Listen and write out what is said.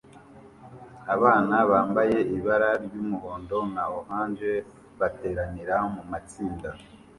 Abana bambaye ibara ry'umuhondo na orange bateranira mumatsinda